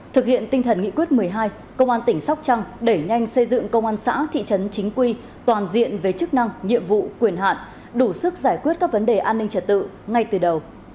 thực hiện tinh thần nghị quyết một mươi hai công an tỉnh sóc trăng đẩy nhanh xây dựng công an xã thị trấn chính quy toàn diện về chức năng nhiệm vụ quyền hạn đủ sức giải quyết các vấn đề an ninh trật tự ngay từ đầu